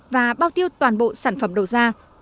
và bao tiêu toàn bộ sản phẩm đầu ra